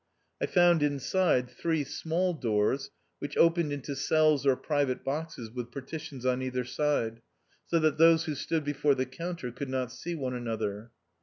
I found inside three small doors, which opened into cells or private boxes with partitions on either side, so that those who stood before the counter could not see one another.